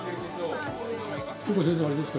ここ、全然あれですか？